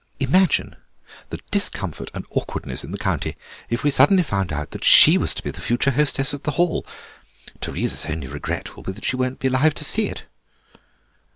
Imagine the discomfort and awkwardness in the county if we suddenly found that she was to be the future hostess at the Hall. Teresa's only regret will be that she won't be alive to see it."